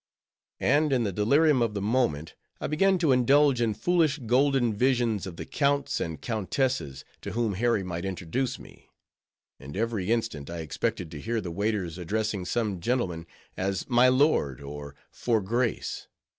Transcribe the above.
And in the delirium of the moment, I began to indulge in foolish golden visions of the counts and countesses to whom Harry might introduce me; and every instant I expected to hear the waiters addressing some gentleman as "My Lord," or _"four Grace."